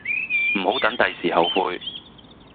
唔好等第時後悔